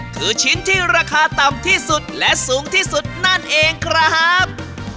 คือชิ้นที่ราคาต่ำที่สุดและสูงที่สุดนั่นเองครับ